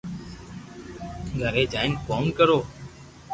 گھري جائين ڪوم ڪرو